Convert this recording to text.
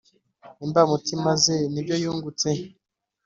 imbamutima ze n’ibyo yungutse.